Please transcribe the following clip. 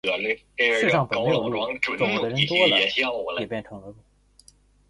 世上本没有路，走的人多了，也便成了路。